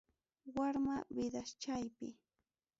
Warma vidaschaypi.